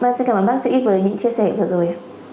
vâng xin cảm ơn bác sĩ đã chia sẻ vừa rồi